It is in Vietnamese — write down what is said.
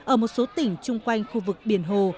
ở một số tỉnh chung quanh khu vực biển hồ